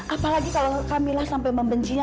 apalagi kalau kamilah sampai membencinya